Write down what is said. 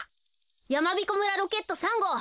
やまびこ村ロケット３ごう。